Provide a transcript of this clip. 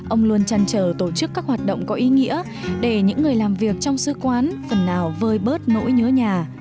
ông luôn chăn trở tổ chức các hoạt động có ý nghĩa để những người làm việc trong sứ quán phần nào vơi bớt nỗi nhớ nhà